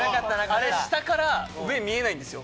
あれ、下から上、見えないんですよ。